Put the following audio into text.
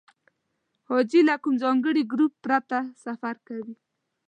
حاجي له کوم ځانګړي ګروپ پرته سفر کوي.